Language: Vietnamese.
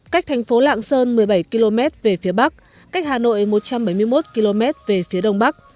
cách thành phố lạng sơn một mươi bảy km về phía bắc cách hà nội một trăm bảy mươi một km về phía đông bắc